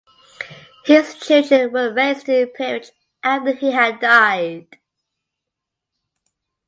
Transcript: His children were raised to peerage after he had died.